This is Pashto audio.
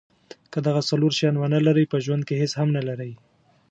که دغه څلور شیان ونلرئ په ژوند کې هیڅ هم نلرئ.